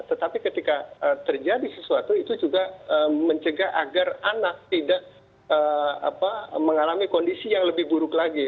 tetapi ketika terjadi sesuatu itu juga mencegah agar anak tidak mengalami kondisi yang lebih buruk lagi